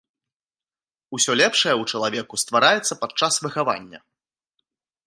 Усё лепшае ў чалавеку ствараецца падчас выхавання.